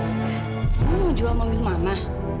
mama mau jual mobil mama